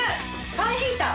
ファンヒーター？